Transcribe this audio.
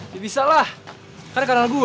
ya bisa lah karena gue